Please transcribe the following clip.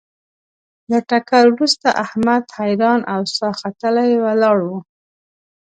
له ټکر ورسته احمد حیران او ساه ختلی ولاړ و.